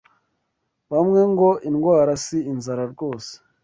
Bamwe ngo indwara si inzara rwose